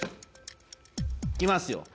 いきますよ！